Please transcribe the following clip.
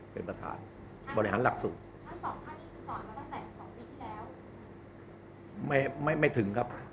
เป็นประธานบริหารหลักศูตร